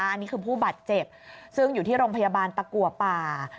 อันนี้คือผู้บาดเจ็บซึ่งอยู่ที่โรงพยาบาลตะกัวป่า